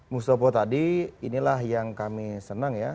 mustafa tadi inilah yang kami senang ya